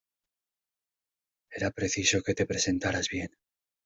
Era preciso que te presentaras bien.